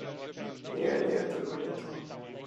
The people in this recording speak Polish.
"Nie, nie, tylko nie to!"